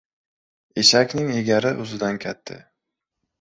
• Eshakning egari o‘zidan katta.